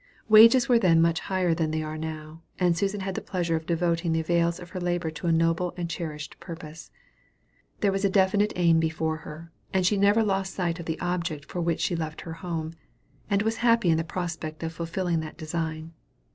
Wages were then much higher than they are now; and Susan had the pleasure of devoting the avails of her labor to a noble and cherished purpose. There was a definite aim before her, and she never lost sight of the object for which she left her home, and was happy in the prospect of fulfilling that design.